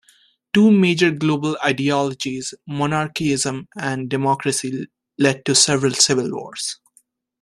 The two major global ideologies, monarchism and democracy, led to several civil wars.